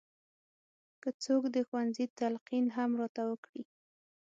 که څوک د ښوونځي تلقین هم راته وکړي.